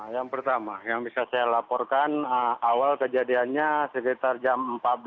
yang pertama yang bisa saya laporkan awal kejadiannya sekitar jam empat belas